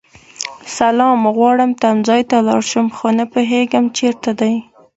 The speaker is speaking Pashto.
سلام غواړم تمځای ته لاړشم خو نه پوهيږم چیرته دی